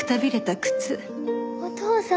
お父さん！